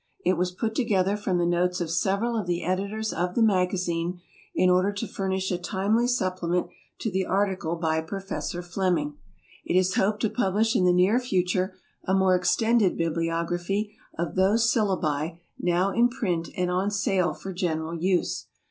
It was put together from the notes of several of the editors of the MAGAZINE in order to furnish a timely supplement to the article by Prof. Fleming. It is hoped to publish in the near future a more extended bibliography of those syllabi now in print and on sale for general use.